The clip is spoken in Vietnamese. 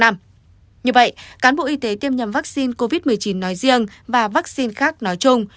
như vậy cán bộ y tế tiêm nhầm vaccine covid một mươi chín nói riêng và vaccine khác nói chung